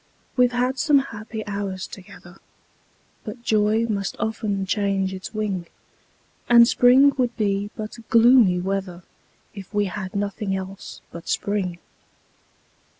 We've had some happy hours together, But joy must often change its wing; And spring would be but gloomy weather, If we had nothing else but spring.